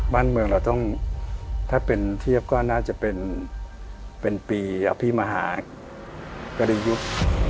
บ้านเมืองเราถ้าเป็นเทียบก็น่าจะเป็นเป็นปีอภิมฮกระดิษฐ์ยุค